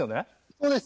そうです。